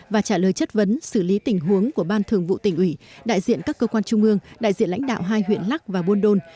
và trả lời chất vấn xử lý tình huống của ban thường vụ tỉnh ủy đại diện các cơ quan trung ương đại diện lãnh đạo hai huyện lắc và buôn đôn